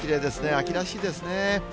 秋らしいですね。